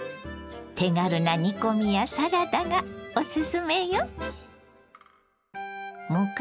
手軽な煮込みやサラダがおすすめよ。